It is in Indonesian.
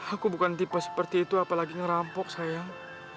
aku bukan tipe seperti itu apalagi ngerampok sayang